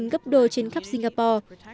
tăng hơn gấp đôi trên khắp singapore